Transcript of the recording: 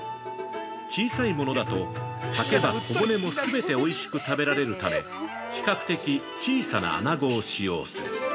小さいものだと、炊けば、小骨も全ておいしく食べられるため、比較的小さなあなごを使用する。